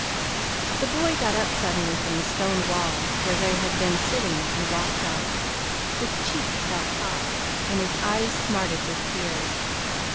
The boy got up suddenly from the stone wall where they had been sitting, and walked off. His cheeks felt hot, and his eyes smarted with tears.